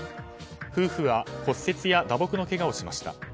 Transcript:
夫婦は骨折や打撲のけがをしました。